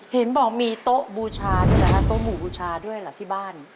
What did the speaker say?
เห็นบอกมีโต๊ะบูชาและโต๊ะหมูบูชาด้วยเหรอที่บ้าน